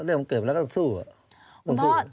เรื่องมันเกิดมาแล้วก็ต้องสู้